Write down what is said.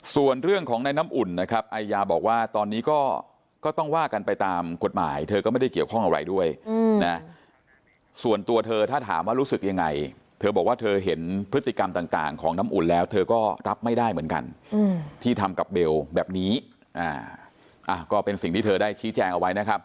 ส่วนเรื่องของในน้ำอุ่นนะครับไอยาบอกว่าตอนนี้ก็ต้องว่ากันไปตามกฎหมายเธอก็ไม่ได้เกี่ยวข้องอะไรด้วยนะส่วนตัวเธอถ้าถามว่ารู้สึกยังไงเธอบอกว่าเธอเห็นพฤติกรรมต่างของน้ำอุ่นแล้วเธอก็รับไม่ได้เหมือนกันที่ทำกับเบลแบบนี้ก็เป็นสิ่งที่เธอได้ชี้แจงเอาไว้นะครับ